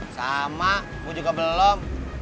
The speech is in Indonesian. sama gue juga belum